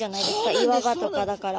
岩場とかだから。